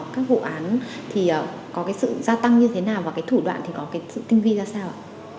các vụ án thì có cái sự gia tăng như thế nào và cái thủ đoạn thì có cái sự tinh vi ra sao ạ